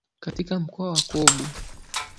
Katika mkoa wa Kobu.